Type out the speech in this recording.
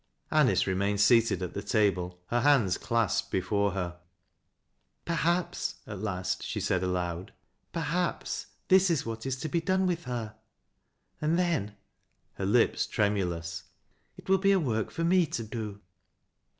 Anice remained seated at the table, her hands clasped V of ore her. " Perhaps," at last she said aloud, " perhaps this is what is to be done with her. And then —" her lips tremulous, —" it will be a work for me to do."